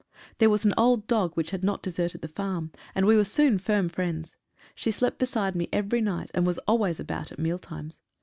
There was an old dog which had not deserted the farm, and we were soon firm friends. She slept beside me every night, and was always about at meal times.